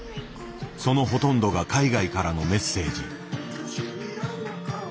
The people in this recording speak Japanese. そのほとんどが海外からのメッセージ。